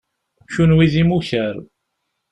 Kunwi d imukar.